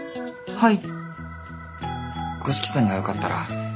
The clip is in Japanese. はい！